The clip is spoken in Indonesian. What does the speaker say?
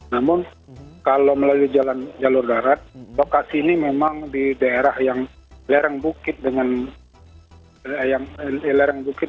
namun kalau melalui jalur darat lokasi ini memang di daerah yang lereng bukit